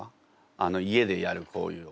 あの家でやるこういう。